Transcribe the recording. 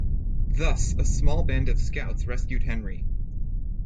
Thus a small band of scouts rescued Henry.